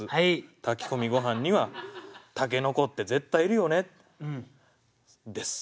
炊き込みごはんには筍って絶対いるよね。です。